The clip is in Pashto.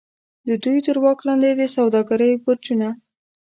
د دوی تر واک لاندې د سوداګرۍ برجونو.